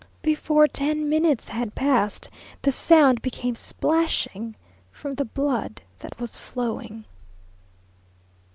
Before ten minutes had passed, the sound became splashing, from the blood that was flowing.